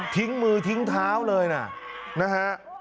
ทิ้งมือทิ้งเท้าเลยนะนะฮะ